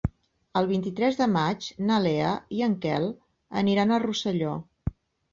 El vint-i-tres de maig na Lea i en Quel aniran a Rosselló.